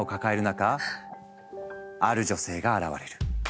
ある女性が現れる。